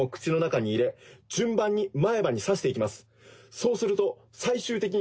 そうすると最終的に。